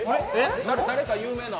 誰か有名な？